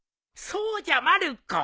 そうじゃまる子。